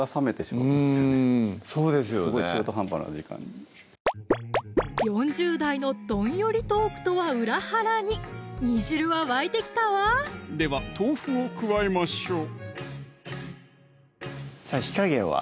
すごい中途半端な時間に４０代のどんよりトークとは裏腹に煮汁は沸いてきたわでは豆腐を加えましょう火加減は？